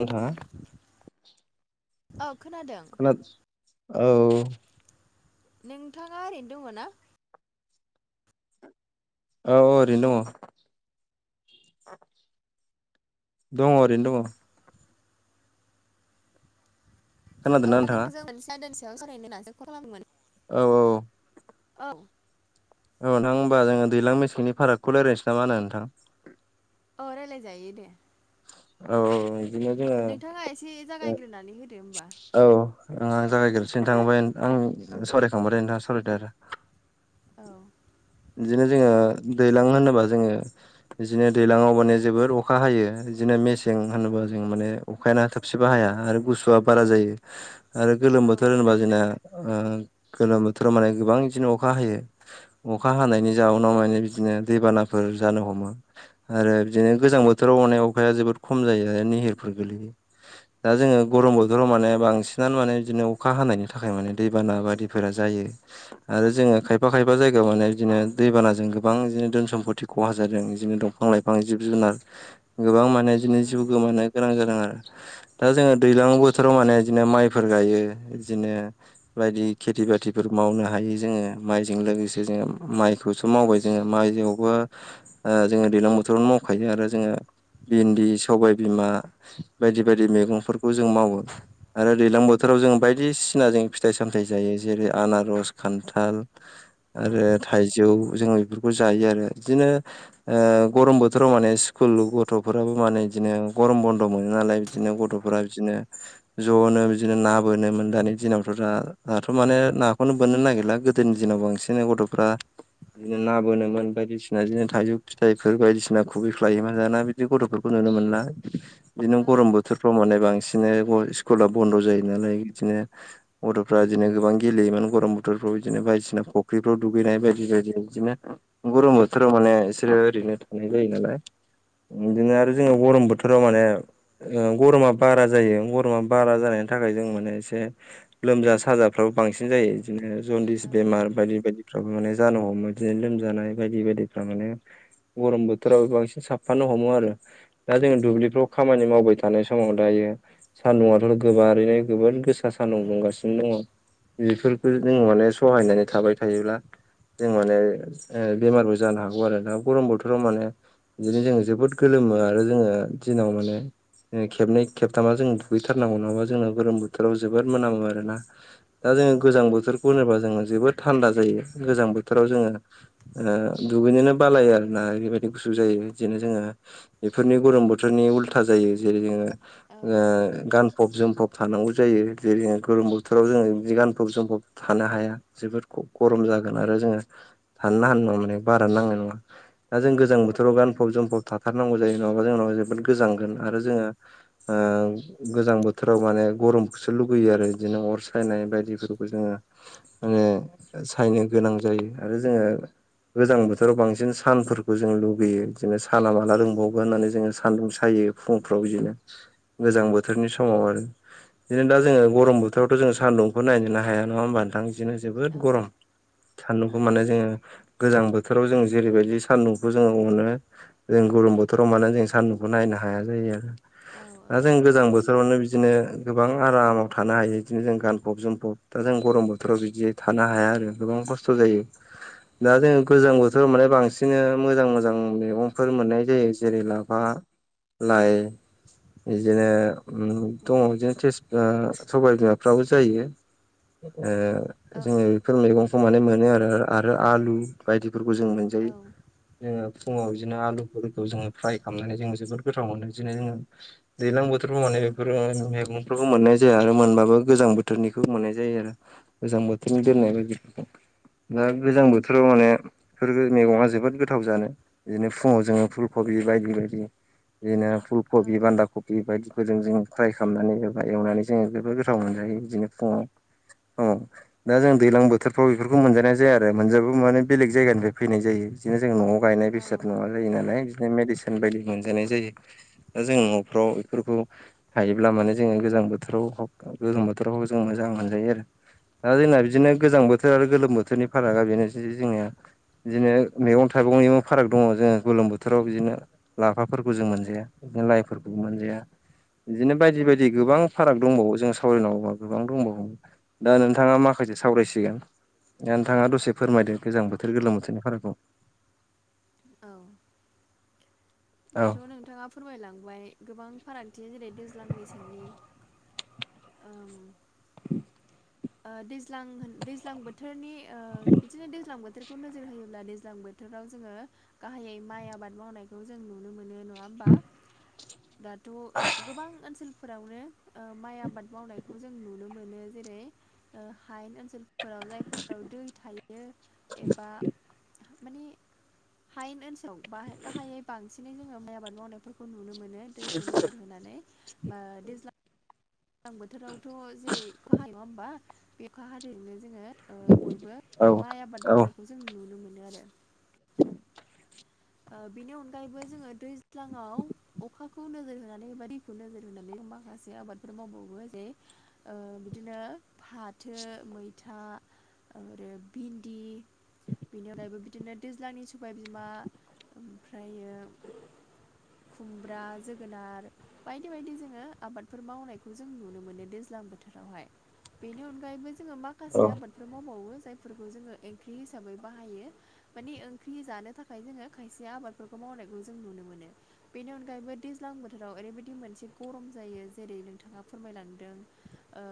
नोंथाङा औ खोनादों खोना औ नोंथाङा ओरैनो दङ ना औ ओरैनो दङ दङ ओरैनो दङ औ खोनादोंना दा नोंथाङा नोंथांजों मोनसे आयदानि सायाव सावरायनो होनानैसो कल खालामदोंमोन औ औ औ औ नोंथां होमबा जोङो दैजां मेसेंनि फारागखौ रायलायनोसै ना होनो नोंथां अ रायज्लायजायो दे औ औ बिदिनो जोङो नोंथाङा एसे जागायग्रोनानै होदो होमबा औ आङो जागायग्रोनोसै नोंथां ओमफ्राय आं सावराय खांबाथाय नोंथाङा सावरायदो आरो औ बिदिनो जोङो दैज्लां होनोबा जोङो बिदिनो दैजलाङाव माने जोबोर अखा हायो बिदिनो मेस मेसें औ औ होनोबा जों माने अखायानो थोबसेबो हाया आरो गुसुआ बारा जायो आरो गोलोम औ बोथोर होनबा जोंना ओ गोलोम बोथोराव माने गोबां बिदिनो अखा हायो अखा हानायनि जाउनाव माने बिदिनो दैबानाफोर जानो हमो आरो बिदिनो गोजां बोथोराव अने अखाया जोबोद खम जायो आरो निहिरफोर गोगलैयो दा जोङो औ गरम बोथोराव मानो बांसिनानो माने बिदिनो अखा हानायनि थाखाय माने दैबाना बायदि फोरा जायो आरो जोङो खायफा खायफा जाय गायाव माने बिदिनो दैबानाजों गोबां बिदिनो धोन सम्पति खहा जादों बिदिनो दंफां लाइफां जिब जुनार गोबां माने बिदिनो जिउ गोमानो गोनां जादों आरो दा जोङो दैज्लां बोथोराव माने बिदिनो माइफोर गायो बिदिनो बायदि खेथि बाथिफोर मावनो हायो जोङो माइजों लोगोसे जोङो माइखौसो मावबाय जोङो माइयावबो ओ जोङो दैज्लां बोथोरावनो मावखायो आरो जोङो भिन्दि सबाय बिमा बायदि बायदि मैगंफोरखौ जों मावो आरो दैज्लां बोथोराव जों बायदिसिनाजों फिथाइ सामथायाइ जायो जेरै आनारस खान्थाल औ आरो थाइजौ जों बेफोरखौ जायो आरो बिदिनो ओ गरम बोथोराव माने स्कुल गथ'फोराबो माने बिदिनो गरम बन्द' मोनो नालाय बिदिनो गथ'फोरा बिदिनो ज'नो बिदिनो ना बोनोमोन दानि दिनावथ' दा दाथ' माने नाखौनो बोननो नागिरला गो दोनि दिनाव बांसिन गथ'फ्रा बिदिनो ना बोनोमोन बायदिसिना बिदिनो थाइजौ फिथाइफोर बायदिसिना खुबै ख्लायोमोन दाना बिदि गथ'फोरखौ नुनो मोनला बिदिनो औ गरम बोथोरफ्राव माने बांसिन बिदिनो स्कुला बन्द' जायो नालाय बिदिनो गथ'फ्रा इदिनो गोबां गेलेयोमोन गरम बोथोरफ्राव बिदिनो बायदिसिना फख ख्रिफ्राव दुगैनाय बायदि बायदि बिदिनो उ गरम बोथोराव माने इसोरो ओरैनो थानाय जायो नालाय। इदिनो आरो जोङो औ गरम बोथोराव माने ओ गरमा बारा जायो गरमा बारा जानायनि थाखाय जों माने एसे लोमजा साजाफ्राबो बांसिन जायो इदिनो जन्दिस औ बेमार बादि फ्राबो माने जानो हमो इदिनो लोमजानाय बायदि बायदिफ्रा माने गरम बोथोराव बांसिन साबफानो हमो आरो। दा जोङो दुब्लिफ्राव खामानि मावबाय थानाय समाव दायो सान्दुआथ' गोबारैनो गोबोर गोसा सान्दुं दुंगासिनो दङ। बेफोरखो जों माने सहायनानै थाबाय थायोब्ला जों माने ओ बेमारबो जानो हागौ आरो ना गरम बोथोराव माने बिदिनो जोङो जोबोद गोलोमो आरो जोङो दिनाव माने ओ खेबनै खेबथामा जों दुगैथारनांगौ नङाबा जोङो गोलोम बोथोराव जोबोद मोनामो आरोना। दा जोङो गोजां बोथोरखौ होनोबा जोङो जोबोद थान्दा जायो गोजां बोथोराव जोङो ओ दुगैनोनो बालायो आरोना ओरैबायदि गुसु जायो बिदिनो जोङो बेफोरनि गरम बोथोरनि उल्था जायो जेरै जोङो औ ओ गान फब जोमफब थानांगौ जायो जेरै जों गरम बोथोराव जोङो बिदि गानफब जोमफब थानो हाया जोबोद ग-गरम जागोन आरो जोङो थानोनो हानाय नङा माने बारानो नांनाय नङा। दा जों गोजां बोथोराव गानफब जोमफब थाथारनांगौ जायो नङाबा जोंनाव जोबोद गोजांगोन आरो जोङो ओ गोजां बोथोराव माने गरमखौसो लुगैयो आरो इदिनो अर सायनाय बायदिफोरखौ जोङो जोङो सायनो गोनां जायो आरो जोङो गोजां बोथोराव बांसिन सानफोरखौ जों लुगैयो बिदिनो साना माला रुंबावगोन होननानै जोङो सान्दुं सायो। फुंफ्राव बिदिनो गोजां बोथोरनि समाव आरो। बिदिनो दा जोङो गरम बोथोरावथ' जों सान्दुंखौ नायनोनो हाया नङा होमबा नोंथां बिदिनो जोबोद गरम। सान्दुंखौ माने जोङो गोजां बोथोराव जों जेरैबायदि सान्दुंखौ जोङो अनो। जों गरम बोथोराव मानो जों सान्दुंखौ नायनो हाया जायो आरो दा जों गोजां बोथ थोरावनो बिदिनो गोबां आरामाव थानो हायो बिदिनो जों गानफब जोमफब दा जों गरम बोथोराव बिदि थानो हाया आरो गोबां खस्थ' जायो। दा जोङो गोजां बोथोराव माने बांसिनो मोजां मोजां मैगंफोर मोननाय जायो जेरै लाफा लाइ बिदिनो उम दङ बिदिनो थेेज ओ सबाय बिमाफ्राबो जायो ओ जोङो बेफोर मैगंखौ माने मोनो आरो आरो आलु बायदिफोरखौ जों मोनजायो। जोङो फुङाव बिदिनो आलुफोरखौ जोङो फ्राय खालामनानै जों जोबोद गोथाव मोनो बिदिनो जोङो दैलां बोथोरबा माने बेफोर मेगंफोरखौ मोननाय जाया आरो मोनबाबो गोजां बोथोरनिखौ मोननाय जायो आरो। गोजां बोथोरनि दोननाय बायदिफोरखौ दा गोजां बोथोराव माने फोर गो मेगंआ जोबोद गोथाव जानो बिदिनो फुङाव जोङो फुलकबि बायदि बायदि बिदिनो फुल कबि बान्दा कबि बायदिफोरजों जों फ्राय खालामनानै एबा एवनानै जोङो जोबो गोथाव मोनजायो बिदिनो फुङाव फुङाव औ। दा जों दैलां बोथोरफ्राव बेफोरखौ मोनजानाय जाया आरो मोनजाबो माने बेलेग जायगानिफ्राय फैनाय जायो। बिदिनो जों न'आव गायनाय बेसाद नङा जायो नालाय बिदिनो मेडिसिन बायदि मोनजानाय जायो। दा जों न'फ्राव बेफोरखौ थायोब्ला माने जोङो गोजां बोथोराव गोलोम बोथोराव जों मोजां मोनजायो आरो। दा जोंना बिदिनो गोजां बोथोर आरो गोलोम बोथोरनि फारागा बेनोजि जोङो बिदिनो मैगं थाइगंनिबो फाराग दङ जोङो गोलोम बोथोराव बिदिनो लाफाफोरखौ जों मोनजाया बिदिनो लाइफोरखौबो मोनजाया। बिदिनो बायदि बायदि गोबां फाराग दंबावो जों सावरायनांगौबा गोबां दंबावो दा नों थाङा माखासे सावरायसिगोन दा नोंथाङा दसे फोरमायदो गोजां बोथोर गोलोम बोथोरनि फारागखौ। औ औ दाथ' नोंथाङा फोरमायलांबाय गोबां फारागथि जेरै दैज्लां मेसेंनि [inaudible] ओ दैज्लां दैज्लां बोथोरनि ओ बिदिनो दैज्लां बोथोर खौ नोजोर होयोब्ला दैज्लां बोथोराव जोङो गाहायै माइ आबाद मावनायखौ जों नुनो मोनो नङा होमबा दाथ' गोबां ओनसोलफोरावनो ओ माइ आबाद मावनायखौ जों नुनो मोनो जेरै ओ हायेन ओनसोल फोराव जायफोराव दै थायो एबा माने हायेन ओनसोलाव बाय गाहायै बांसिनै जोङो माइ आबाद मावनायफोरखौ नुनो मोनो दैखौ नोजोर होनानै ओ दैज्लां दैज्लां बोथोरावथ' जेरै अखा हायो नङा होमबा बे अखा हादैजोंनो जोङो ओ बयबो औ माइ आबाद औ मावनायखौ जों नुनो मोनो आरो ओ बेनि अनगायैबो जोङो दैज्लाङाव अखाखौ नोजोर होनानै बा दैखौ नोजोर होनानै माखासे आबादफोर मावबावो जे ओ बिदिनो फाथो मैथा आरो भिन्दि बेनि अनगायैबो बिदिनो दैज्लांनि सबाय बिमा ओमफ्रायो [inaudible] खुमब्रा जोगोनार बायदि बायदि जोङो आबादफोर मावनायखौ जों नुनो मोनो दैज्लां बो बोथोरावहाय बेनि अनगायैबो जोङो औ माखासे आबादफोर मावबावो जाय फोरफोरखौ जोङो ओंख्रि हिसाबै बाहायो माने ओंख्रि जानो थाखाय जोङो खायसे आबादफोरखौ मावनायखौ जों नुनो मोनो। बेनि अनगायैबो दैज्लां बोथोराव ओरैबायदि मोनसे गरम जायो जेरै नोंथाङा फोरमायलांदों ओ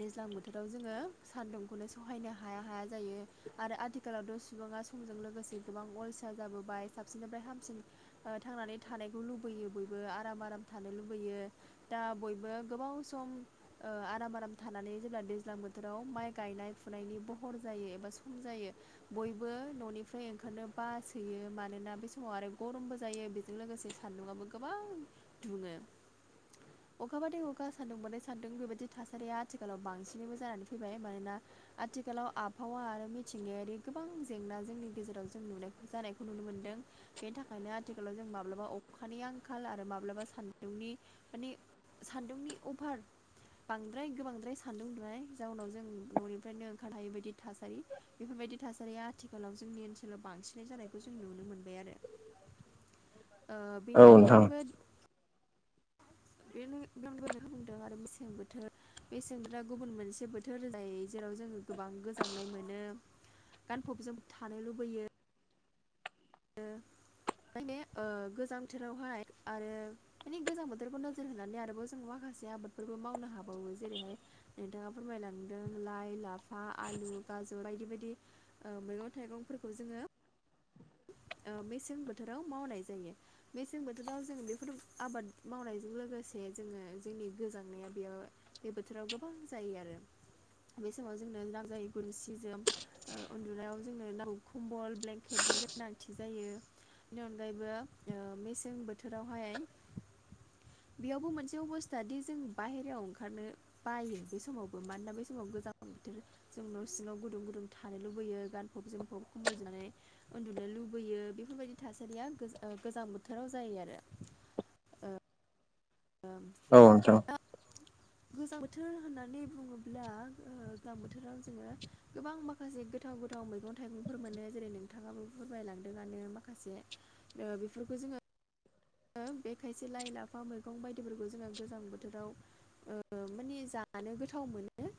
दैज्लां बोथोराव जोंङो सान्दुंखौनो सहायनो हाया हाया जायो आरो आथिखालावथ' सुबुङा समजों लोगोसे गोबां अलसिया जाहैबाय साबसिननिफ्राय हामसिन ओ थांनानै थानायखौ लुबैयो बयबो आराम आराम थानो लुबैयो दा बयबो गोबाव सम ओ आराम आराम थानानै जेब्ला दैज्लां बोथोराव माइ गायनाय फुनायनि बहर जायो एबा सम जायो बयबो न'निफ्राय ओंखारनो बा सोयो मानोना बे समाव आरो गरमबो जायो बेजों लोगोसे सान्दुंङाआबो गोबां दुङो [inaudible] अखा बादै अखा सान्दुं बादै सान्दों बेबायदि थासारिया आथिखालाव बांसिनैबो जानानै फैबाय मानोना आथिखालाव आबहावा आरो मिथिंगायारि गोबां जेंना जोंनि गेजेराव जों नुनाय जानायखौ नुनो मोनदों बेनि थाखायनो आथिखालाव जों माब्लाबा अखानि आंखाल आरो माब्लाबा सान्दुंनि माने सान्दुंनि अभार बांद्राय गोबांद्राय सान्दों नालाय जाउनाव जों न'निफ्रायनो ओंखारनो हायि बायदि थासारि बेफोरबायदि थासारिया आथिखालाव जोंनि ओनसोलाव बांसिन जानायखौ जों नुनो मोनबाय आरो ओ औ बेनि नोंथां अनगायैबो बेनो [unintelligible] बुंदों आरो मेसें बोथोर बे सेंग्राा गुबुन मोनसे बोथोर जायो जेराव जोङो गोबां गोजांनाय मोनो गानफब जोमफब थानो लुबैयो माने ओ गोजां बोथोरावहाय आरो माने गोजां बोथोरखौ नोजोर होनानै आरोबाव जों माखासे आबादफोरबो मावनो हाबावो जेरैहाय नोंथाङा फोरमायलांदों लाइ लाफा आलु गाजर बायदि बायदि ओ मैगं थाइगंफोरखौ जोङो ओ मेसें बोथोराव मावनाय जायो मेसें बोथोराव जों बेफोर आबाद मावनायजों लोगोसे जोङो जोंनि गोजांनाया बेयाव बे बोथोराव गोबां जायो आरो बे समाव जोंनो नांजायो गुदुं सि जोम ओ उन्दुनायाव जोङो [unintelligible] कम्बल ब्लेंकेटनि गोनांथि जायो। बेनि अनगायैबो ओ मेसें बोथोरावहाय बेयावबो मोनसे अबस्था दि जों बाहेरायाव ओंखारनो बायो बे समावबो। मानोना बै समाव गोजां बोथोर जों न'सिंङाव गुदुं गुदुं थानो लुबैयो गानफब जोमफब खमबल [unintelligible] नानै उन्दुनो लुबैयो बेफोरबायदि थासारिया गो ओ गोजां बोथोराव जायो आरो। ओम औ नोंथां। गोजां बोथोर होननानै बुङोब्ला ओ गोजां बोथोराव जोङो गोबां मा खासे गोथाव गोथाव मैगं थाइगंफोर मोनो जेरै नोंथाङाबो फोरमायलांदोंआनो माखासे ओ बेफोरखौ जोङो बे खायसे लाइ लाफा मैगं बायदिफोरखौ जोङो गोजां बोथोराव ओ माने जानो गोथाव मोनो।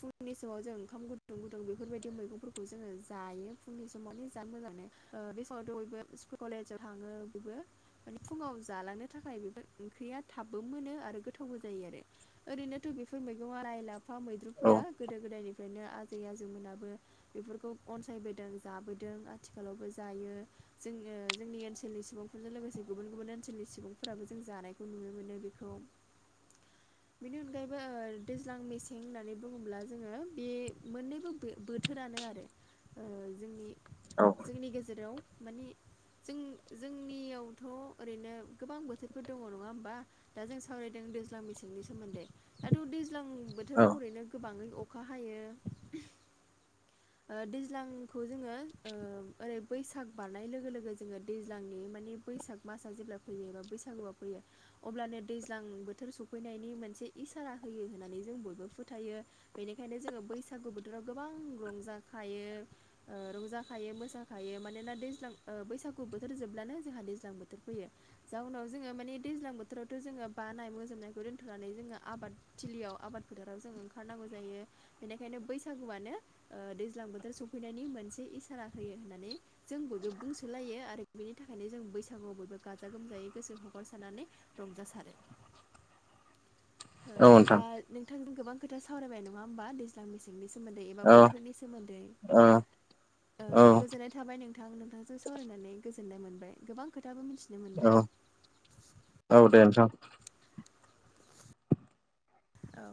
फुंनि समाव जों ओंखाम गुदुं गुदुं बेफोरबायदि मैगंफोरखौ जोंङो जायो फुंनि समाव माने जानो मोजां मोनो। ओ बे समावथ' बयबो स्कुल कलेजाव थाङो बयबो। [unintelligible] फुंङाव जालांनो थाखाय बेफोर ओंख्रिया थाबबो मोनो आरो गोथावबो जायो आरो। ओरैनो दुबिफोर मैगंफोरा लाइ लाफा औ मैद्रुफोरा गोदो गोदायनिफ्रायनो आजै आजौमोनाबो बेफोरखौ अनसायबोदों जाबोदों आथिखालावबो जायो जों ओ जोंनि ओनसोलनि सुबुंफोरजों लोगोसे गुबुन गुबुन ओनसोलनि सुबुंफोराबो जों जानायखौ नुनो मोनो बेखौ। [inaudible] बेनि अनगायैबो ओ दैज्लां मेसें होननानै बुङोब्ला जोङो बे मोननैबो बो-बो थोरानो आरो। ओ जोंनि औ जोंनि गेजेराव मानि जों-जोंनियाव थ' ओरैनो गोबां बोथोरफोर दंङ नङा होमबा। दा जों सावरायदों दैज्लां मेसेंनि सोमोन्दै। दाथ' दैज्लां औ बोथोराव ओरैनो गोबांङै अखा हायो। ओ दैज्लांखौ जोंङो ओ ओरै बैसाग बारनाय लोगो लोगो जोंङो दैज्लांनि माने बैसाग मासआ जेब्ला फैयो एबा बैसागुआव फैयो अब्लानो दैज्लां बोथोर सफैनायनि मोनसे इसारा होयो होननानै जों बयबो फोथायो। बेनिखायनो जोङो बैसागु बोथोराव गोबां रंजाखायो। ओ रंजाखायो मोसाखायो मानोना दैज्लां ओ बैसागु बोथोर जोबब्लानो जोंहा दैज्लां बोथोर फैयो। जाउनाव जोङो माने दैज्लां बोथोरावथ' जोङो बानाय मोजोमनायखौ दोनथ'नानै जोङो आबाद थिलियाव आबाद फोथाराव जों ओंखारनांगौ जायो बेनिखायनो बैसागुआनो ओ दैज्लां बोथोर सफैनायनि मोनसे इसारा होयो होननानै जों बयबो बुंसोलायो आरो बेनि थाखायनो जों बैसागुआव बयबो गाजा गोमजायै गोसो हगारसारनानै रंजासारो। [inaudible] ओ औ नोंथां दा नोंथांजों गोबां खोथा सावरायबाय नङा होमबा दैज्लां मेसेंनि सोमोन्दै एबा औ बो थोरनि सोमोन्दै। औ ओ गोजोननाय थाबाय नोंथां नोंथां जों सावरायनानै गोजोननाय मोनबाय गोबां खोथाबो मिथिनो औ मोनबाय। औ दे नोंथां। औ।